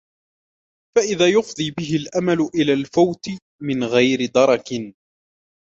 فَإِذًا يُفْضِي بِهِ الْأَمَلُ إلَى الْفَوْتِ مِنْ غَيْرِ دَرَكٍ